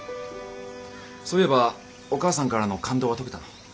そういえばお母さんからの勘当は解けたの？